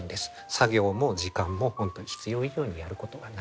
作業も時間も本当に必要以上にやることはない。